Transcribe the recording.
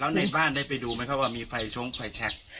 แล้วในบ้านได้ไปดูไหมครับว่ามีไฟชงไฟแชค